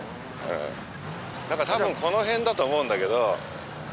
何か多分この辺だと思うんだけど。